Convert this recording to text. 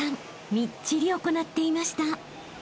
［みっちり行っていました］